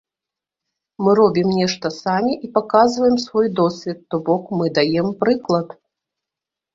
Мы робім нешта самі і паказваем свой досвед, то бок мы даем прыклад.